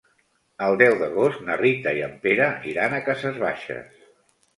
El deu d'agost na Rita i en Pere iran a Cases Baixes.